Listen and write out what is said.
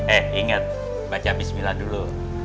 eh inget baca bismillah dulu